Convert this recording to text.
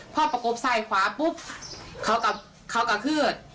พอประกบซ้ายขวาปุ๊บเขากระทืบ